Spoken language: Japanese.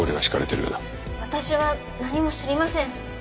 私は何も知りません。